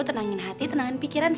tenangin hati tenangin pikiran